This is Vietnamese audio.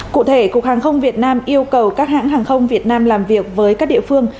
cụ thể cục hàng không việt nam yêu cầu các hãng hàng không việt nam làm việc với các địa phương